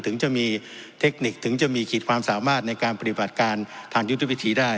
ถึงจะมีเทคนิคถึงจะมีขีดความสามารถในการปฏิบัติการทางยุทธวิธีได้